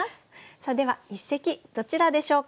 さあでは一席どちらでしょうか？